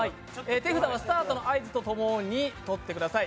手札はスタートの合図とともに取ってください。